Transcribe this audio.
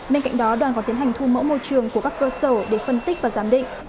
bên cạnh đó đoàn còn tiến hành thu mẫu môi trường của các cơ sở để phân tích và giám định